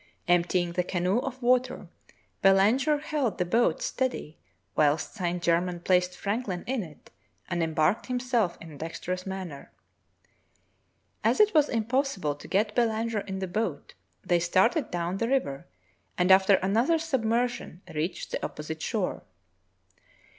Emptying the canoe of water, Belanger held the boat steady whilst Saint Germain placed Franklin in it and embarked himself in a dexterous manner. As it was impossible to get Belanger in the boat, they started down the river and after another submersion reached the opposite shore.